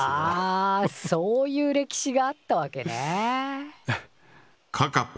あそういう歴史があったわけね。